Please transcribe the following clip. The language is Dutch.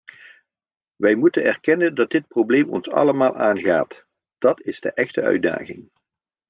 Wij moeten erkennen dat dit probleem ons allemaal aangaat: dat is de echte uitdaging.